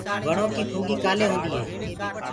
وڻو ڪي کُنگي ڪآلي هوندي هي؟